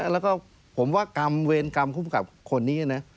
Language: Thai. แล้วก็ผมว่ากรรมเวรกรรมคุ้มกับคนนี้นะ